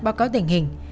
báo cáo tình hình